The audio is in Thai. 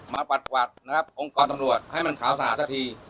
ปัดกวัดนะครับองค์กรตำรวจให้มันขาวสะอาดสักที